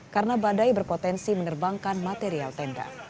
karena badai berpotensi menerbangkan material tenda